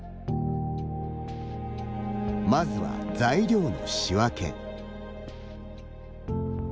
まずは、材料の仕分け。